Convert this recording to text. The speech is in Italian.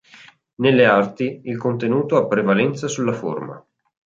Nelle arti il contenuto ha prevalenza sulla forma.